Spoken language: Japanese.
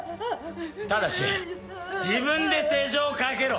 ただし自分で手錠をかけろ。